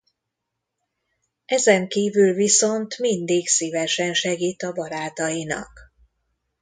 Ezenkívül viszont mindig szívesen segít a barátainak.